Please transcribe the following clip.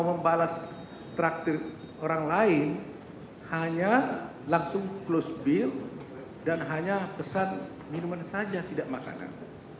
membalas traktir orang lain hanya langsung close bill dan hanya pesan minuman saja tidak makanan